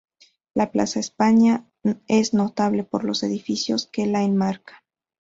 La plaza España es notable por los edificios que la enmarcan.